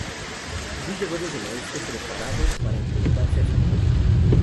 Bruce llegó desde el oeste, preparado para enfrentarse a su enemigo.